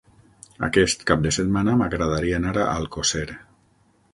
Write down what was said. Aquest cap de setmana m'agradaria anar a Alcosser.